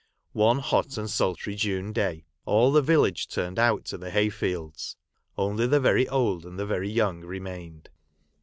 One hot and sultry June day, all the village turned out to the hay fields. Only the very old and the very young remained.